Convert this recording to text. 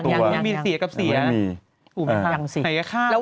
ยังไม่มีใครออกตัว